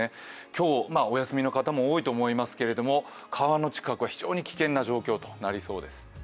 今日、お休みの方も多いと思いますけれども川の近くは非常に危険な状況となりそうです。